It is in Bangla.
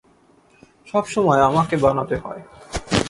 সব সময় আমাকে বানাতে হয়।